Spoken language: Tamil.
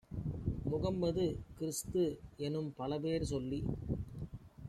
கம்மது, கிறிஸ்து-எனும் பலபேர் சொல்லிச்